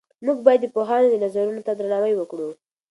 موږ باید د پوهانو نظرونو ته درناوی وکړو.